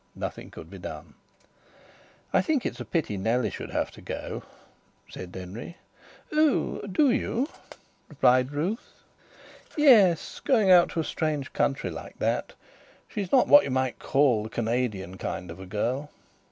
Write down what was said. Nothing could be done. "I think it's a pity Nellie should have to go," said Denry. "Oh! Do you?" replied Ruth. "Yes; going out to a strange country like that. She's not what you may call the Canadian kind of girl.